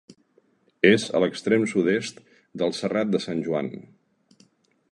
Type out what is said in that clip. És a l'extrem sud-est del Serrat de Sant Joan.